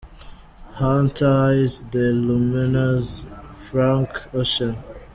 Hunter Hayes The Lumineers Frank Ocean.